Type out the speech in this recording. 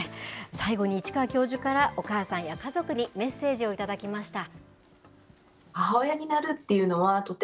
最後に市川教授から、お母さんや家族にメッセージを頂きました。